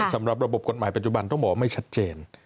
สำหรับระบบกฎหมายปัจจุบันต้องบอกว่าไม่ชัดเจน